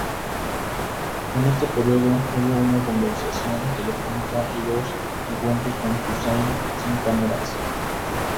En este periodo, hubo una conversación telefónica y dos encuentros con Suzane, sin cámaras.